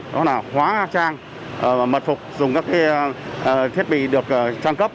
đó là hóa trang mật phục dùng các thiết bị được trang cấp